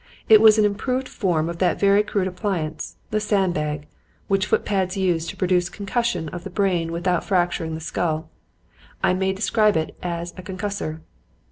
It was an improved form of that very crude appliance, the sand bag, which footpads use to produce concussion of the brain without fracturing the skull. I may describe it as a concussor.